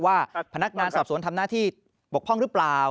ว่าพนักงานสอบสวนทำหน้าที่บกพร่องหรือเปล่า